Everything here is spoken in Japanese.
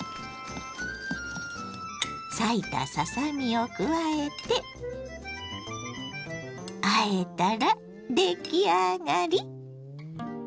裂いたささ身を加えてあえたら出来上がり！